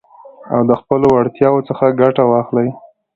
او د خپلو وړتياوو څخه ګټه واخلٸ.